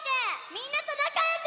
みんなとなかよく！